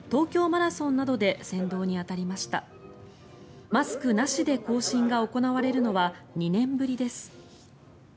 マスクなしで行進が行われるのは２年ぶりです。